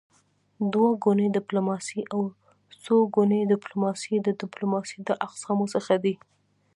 دوه ګوني ډيپلوماسي او څوګوني ډيپلوماسي د ډيپلوماسی د اقسامو څخه دي.